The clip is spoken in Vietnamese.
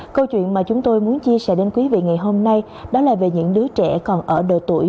câu chuyện mà chúng tôi muốn chia sẻ đến quý vị ngày hôm nay đó là về những đứa trẻ còn ở độ tuổi